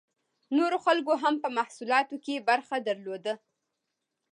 نورو خلکو هم په محصولاتو کې برخه درلوده.